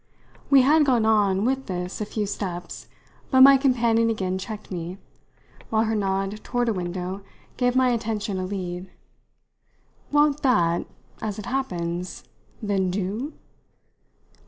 We had gone on, with this, a few steps, but my companion again checked me, while her nod toward a window gave my attention a lead. "Won't that, as it happens, then do?"